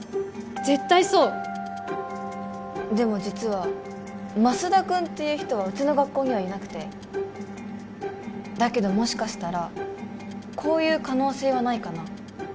絶対そうでも実はマスダ君っていう人はうちの学校にはいなくてだけどもしかしたらこういう可能性はないかな？